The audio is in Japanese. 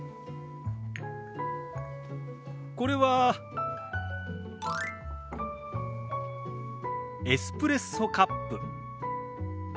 これはエスプレッソカップ。